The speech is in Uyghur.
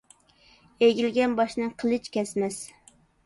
ئېگىلگەن باشنى قېلىچ كەسمەس.